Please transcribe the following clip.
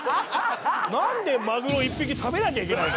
なんでマグロ１匹食べなきゃいけないの？